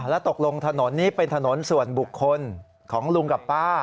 แล้วตกลงถนนนี้เป็นถนนส่วนบุคคลของลุงกับป้า